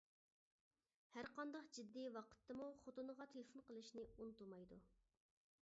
ھەر قانداق جىددىي ۋاقىتتىمۇ خوتۇنىغا تېلېفون قىلىشنى ئۇنتۇمايدۇ.